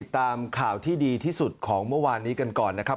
ตามข่าวที่ดีที่สุดของเมื่อวานนี้กันก่อนนะครับ